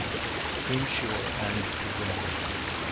] inshore and to windward.